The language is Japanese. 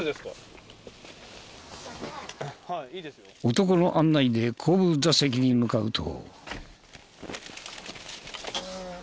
男の案内で後部座席に向かうと。